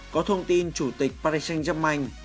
có thông tin chủ tịch paris saint germain